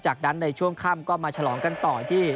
จากนั้นในช่วงค่ำก็มาฉลองกันต่อที่